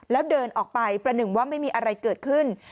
แล้วเดินออกไปประหนึ่งว่าไม่มีอะไรเกิดขึ้น